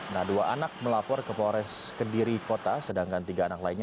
nah dua anak melapor ke polres kediri kota sedangkan tiga anak lainnya